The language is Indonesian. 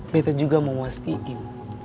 betta juga mau memastikan